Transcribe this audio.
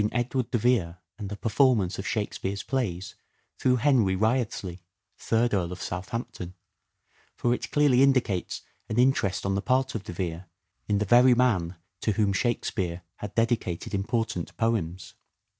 Edward de Vere and the performance of Shakespeare's plays through Henry Wriothesley, Third Earl of Southampton ; for it clearly indicates an interest on 390 "SHAKESPEARE" IDENTIFIED the part of De Vere in the very man to whom " Shake speare " had dedicated important poems.